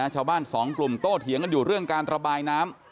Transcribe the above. ชาวบ้าน๒กลุ่มโต้เถียงกันอยู่เรื่องการตระบายน้ำ